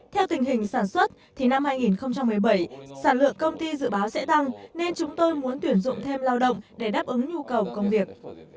theo tình hình sản xuất thì năm hai nghìn một mươi bảy sản lượng công ty dự báo sẽ tăng nên chúng tôi muốn tuyển dụng thêm lao động để đáp ứng nhu cầu công việc